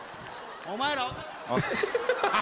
お前ら。